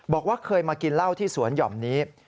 บอกว่าเคยมากินเหล้าที่สวนหย่อมนี้